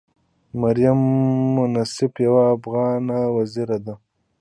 مریم منصف یوه افغانه وزیره وه.